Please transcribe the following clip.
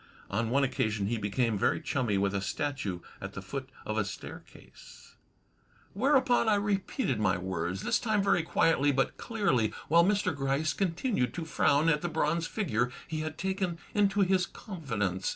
On one occasion he became very chummy with a statue at the foot of a staircase: Whereupon I repeated my words, this time very quietly but clearly, while Mr. Gryce continued to frown at the bronze figure he had taken into his confidence.